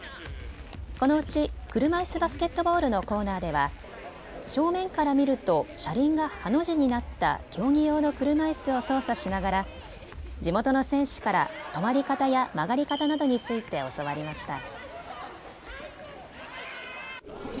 このうち車いすバスケットボールのコーナーでは正面から見ると車輪がハの字になった競技用の車いすを操作しながら地元の選手から止まり方や曲がり方などについて教わりました。